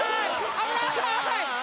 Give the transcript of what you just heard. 危ない！